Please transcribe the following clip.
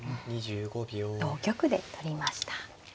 同玉で取りました。